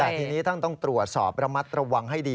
แต่ทีนี้ท่านต้องตรวจสอบระมัดระวังให้ดี